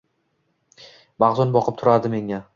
Mahzun boqib turardi menga…